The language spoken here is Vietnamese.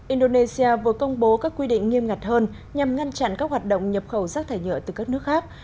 indonesia vừa công bố các quy định nghiêm ngặt hơn nhằm ngăn chặn các hoạt động nhập khẩu rác thải nhựa từ các nước khác